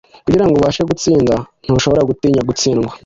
Kugirango ubashe gutsinda, ntushobora gutinya gutsindwa.